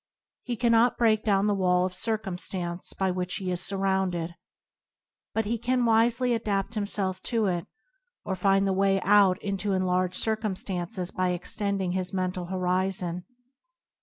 He cannot break down the wall of cir cumstance by which he is surrounded, but he can wisely adapt himself to it, or find the way out into enlarged circumstances by ex tending his mental horizon.